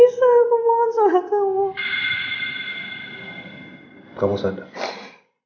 ini udah janji keberapa yang sudah pernah kamu buat